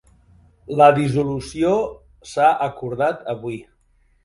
La dissolució s'ha acordat avui